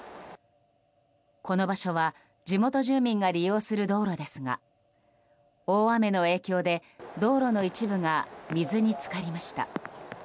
この場所は地元住民が利用する道路ですが大雨の影響で道路の一部が水に浸かりました。